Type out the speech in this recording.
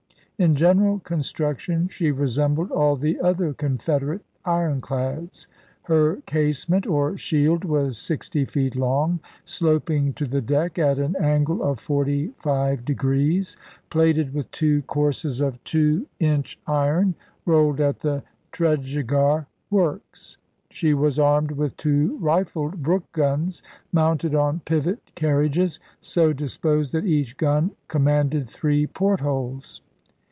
In general construction she resembled all the other Confederate ironclads. Her casement, or shield, was sixty feet long, sloping to the deck at an angle of forty five degrees ; plated with two courses of two THE ALBEMARLE 39 inch iron, rolled at the Tredegar Works. She was chap.ii. armed with two rifled Brooke guns, mounted on pivot carriages, so disposed that each gun com manded three portholes.